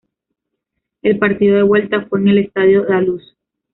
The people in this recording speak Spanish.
El partido de vuelta fue en el Estádio da Luz.